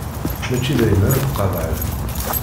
Mačči d ayen ara d-qaḍɛen.